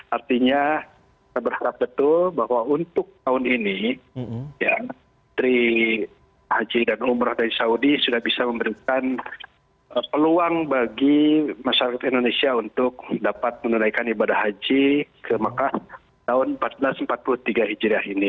artinya kita berharap betul bahwa untuk tahun ini ya dari haji dan umroh dari saudi sudah bisa memberikan peluang bagi masyarakat indonesia untuk dapat menunaikan ibadah haji ke mekah tahun seribu empat ratus empat puluh tiga hijriah ini